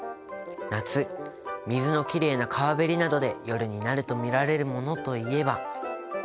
夏水のきれいな川べりなどで夜になると見られるものといえば。